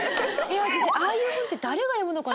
私ああいう本って誰が読むのかな？